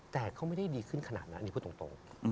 แต่เขาไม่ได้ดีขึ้นขนาดนั้นอันนี้พูดตรง